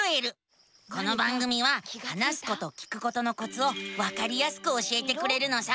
この番組は話すこと聞くことのコツをわかりやすく教えてくれるのさ。